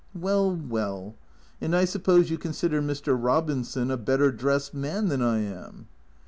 " Well, well. And I suppose you consider Mr. Robinson a better dressed man than I am